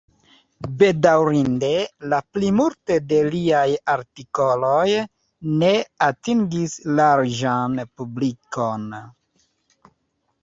Bedaŭrinde, la plimulto de liaj artikoloj ne atingis larĝan publikon.